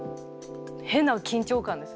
変な緊張感ですね。